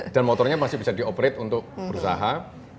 dan motornya masih bisa dioperate untuk perusahaan